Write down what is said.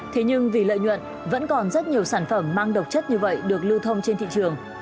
thế nhưng vì lợi nhuận vẫn còn rất nhiều sản phẩm mang độc chất như vậy được lưu thông trên thị trường